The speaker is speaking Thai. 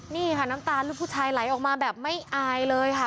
นี่ค่ะน้ำตาลลูกผู้ชายไหลออกมาแบบไม่อายเลยค่ะ